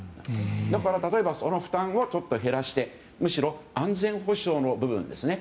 だから例えばその負担をちょっと減らしてむしろ安全保障の部分ですね。